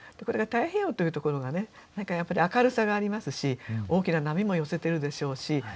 これが太平洋というところがね何かやっぱり明るさがありますし大きな波も寄せてるでしょうし。